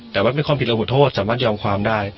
แต่ว่าไม่ความผิดแล้วผู้โทษสามารถยอมความได้